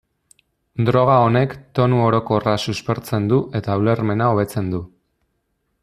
Droga honek tonu orokorra suspertzen du eta ulermena hobetzen du.